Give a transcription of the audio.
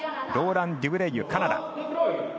ローラン・デュブレイユ、カナダ。